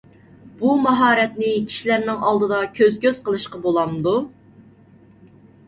بۇ ماھارەتنى كىشىلەرنىڭ ئالدىدا كۆز - كۆز قىلىشقا بولامدۇ؟